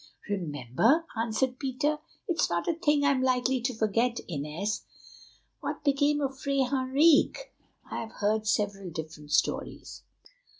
"Remember!" answered Peter. "It is not a thing I am likely to forget. Inez, what became of Fray Henriques? I have heard several different stories."